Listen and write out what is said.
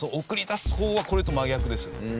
送り出す方はこれと真逆ですよ。